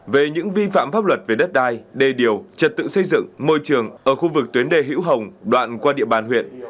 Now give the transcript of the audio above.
về những vi phạm pháp luật về đất đai đê điều trật tự xây dựng môi trường ở khu vực tuyến đề hữu hồng đoạn qua địa bàn huyện